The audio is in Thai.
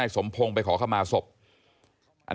ที่มันก็มีเรื่องที่ดิน